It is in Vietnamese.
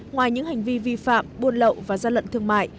ngoài những hành vi vi phạm buôn lậu và gian lận thương mại